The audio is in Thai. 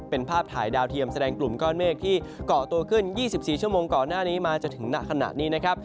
เป็นภาพถ่ายดาวเทียมแสดงกลุ่มก้อนเมฆที่เกาะตัวขึ้น๒๔ชั่วโมงก่อนหน้านี้มาจนถึงณขณะนี้นะครับ